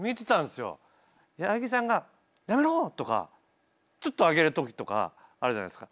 矢作さんが「やめろ」とかちょっと上げる時とかあるじゃないですか。